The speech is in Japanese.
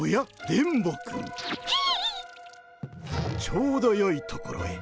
ちょうどよいところへ。